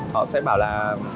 họ sẽ bảo là